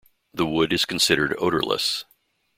The wood is considered odorless.